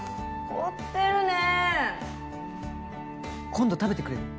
凝ってるね今度食べてくれる？